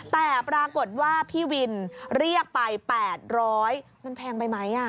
แต่ปรากฏว่าพี่วินเรียกไป๘๐๐มันแพงไปไหม